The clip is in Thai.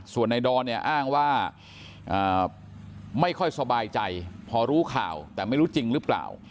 ส่วนในดอนเนี่ยอ้างว่าไม่ค่อยสบายใจพอรู้ข่าวแต่ไม่รู้จริงหรือเปล่า